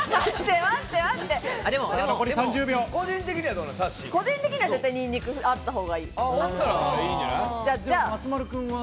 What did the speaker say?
個人的にはにんにく絶対あったほうがいい。